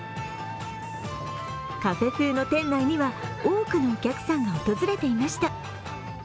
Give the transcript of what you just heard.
カフェ風の店内には多くのお客さんが訪れていました。